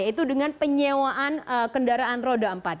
yaitu dengan penyewaan kendaraan roda empat